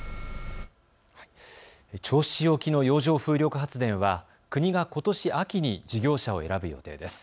銚子市沖の洋上風力発電は国がことし秋に事業者を選ぶ予定です。